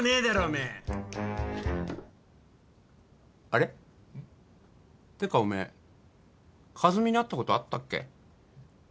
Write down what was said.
あれ？ってかおめえカズミに会ったことあったっけ？